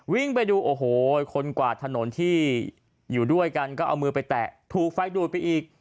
วิ่งไปดูโอ้โหคนกวาดถนนที่อยู่ด้วยกันก็เอามือไปแตะถูกไฟดูดไปอีก